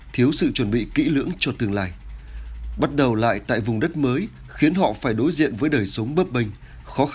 thiếu sự chuẩn bị kỹ lưu và không có thể đạt được những ký ức đói nghèo